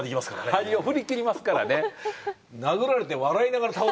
針を振り切りますからね。